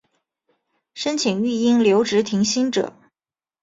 申请育婴留职停薪者